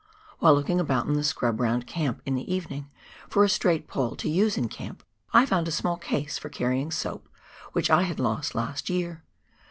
While looking about in the scrub round camp in the evening for a straight pole to use in camp, I found a small case for carrying soap, which I had lost last year.